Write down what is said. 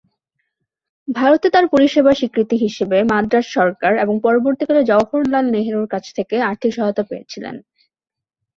ভারতে তার পরিষেবার স্বীকৃতি হিসাবে মাদ্রাজ সরকার এবং পরবর্তীকালে জওহরলাল নেহেরুর কাছ থেকে আর্থিক সহায়তা পেয়েছিলেন।